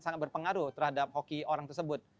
sangat berpengaruh terhadap hoki orang tersebut